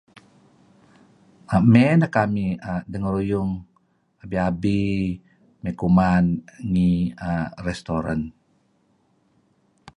Emey nah kamih dengaruyung abi-abi may kuman ngi restaurant.